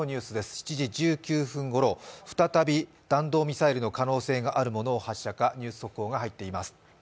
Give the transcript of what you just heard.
７時１９分ごろ、再び弾道ミサイルの可能性があるものを発射か、ニュース速報が入っています。